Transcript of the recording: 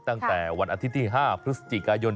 ตั้งแต่วันอาทิตย์ที่๕พฤศจิกายน